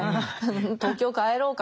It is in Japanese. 東京帰ろうかな